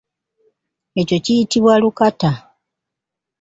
Ekyo kiyitibwa lukata.